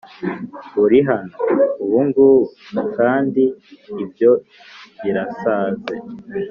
uri hano, ubungubu, kandi ibyo birasaze.